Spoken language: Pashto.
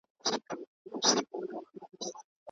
هغه وویل چې روبوټونه به په پخلنځي کې هم کار وکړي.